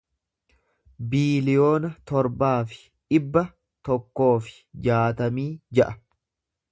biiliyoona torbaa fi dhibba tokkoo fi jaatamii ja'a